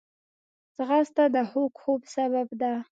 ځغاسته د خوږ خوب سبب ده